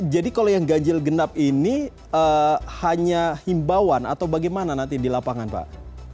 jadi kalau yang ganjil genap ini hanya himbauan atau bagaimana nanti di lapangan pak